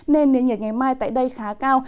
nên nhiệt ngày mai tại đây khá cao